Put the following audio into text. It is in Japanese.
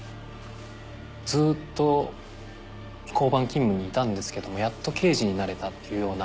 ずっと交番勤務にいたんですけどやっと刑事になれたっていうような。